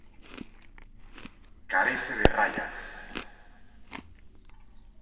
Carece de rayas.